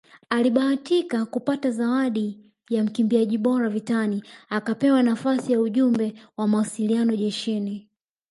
Alibahatika kupata zawadi ya mkimbiaji bora vitani akapewa nafasi ya ujumbe wa mawasiliano jeshini